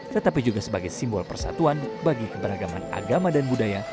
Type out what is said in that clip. tetapi juga sebagai simbol persatuan bagi keberagaman agama dan budaya